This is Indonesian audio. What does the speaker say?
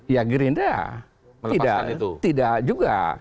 ya gerinda tidak juga